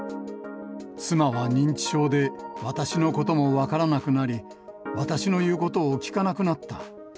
妻は認知症で、私のことも分からなくなり、私の言うことを聞かなくなった。